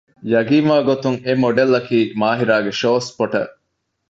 ޔަގީންވާގޮތުން އެ މޮޑެލްއަކީ މާހިރާގެ ޝޯ ސްޕޮޓަރު